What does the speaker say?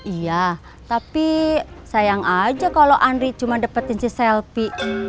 iya tapi sayang aja kalo andri cuma dapetin si selpi